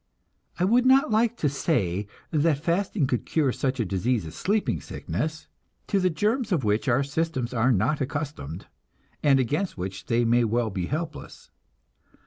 I would not like to say that fasting could cure such a disease as sleeping sickness, to the germs of which our systems are not accustomed, and against which they may well be helpless.